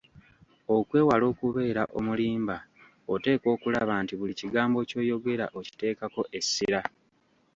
Okwewala okubeera omulimba oteekwa okulaba nti buli kigambo ky'oyogera okiteekako essira.